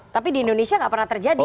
tapi di indonesia nggak pernah terjadi